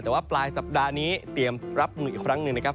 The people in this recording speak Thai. แต่ว่าปลายสัปดาห์นี้เตรียมรับมืออีกครั้งหนึ่งนะครับ